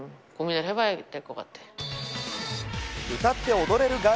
歌って踊れる